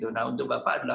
nah untuk bapak adalah